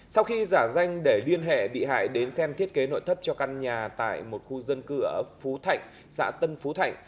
sau khi giả danh để liên hệ bị hại đến xem thiết kế nội thất cho căn nhà tại một khu dân cư ở phú thạnh xã tân phú thạnh